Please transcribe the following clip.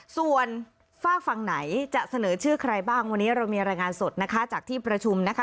ส่วนฝากฝั่งไหนจะเสนอชื่อใครบ้างวันนี้เรามีรายงานสดนะคะจากที่ประชุมนะคะ